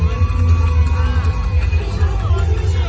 มันเป็นเมื่อไหร่แล้ว